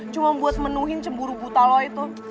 cuma buat menuhin cemburu buta lo itu